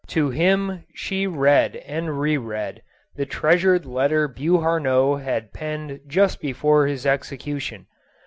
To him she read and re read the treasured letter Beauharnois had penned just before his execution.